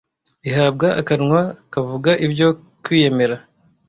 Ihabwa akanwa kavuga ibyo kwiyemera